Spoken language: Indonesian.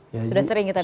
sudah sering kita dengar